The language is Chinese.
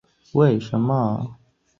后因兴建屯门公路分为南北两部份。